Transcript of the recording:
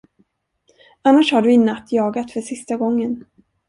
Annars har du i natt jagat för sista gången.